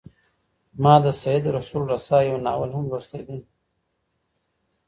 ما د سید رسول رسا یو ناول هم لوستی دی.